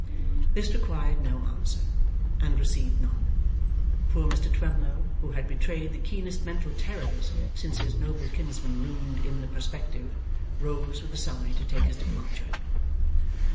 This required no answer, and received none. Poor Mr Twemlow, who had betrayed the keenest mental terrors since his noble kinsman loomed in the perspective, rose with a sigh to take his departure.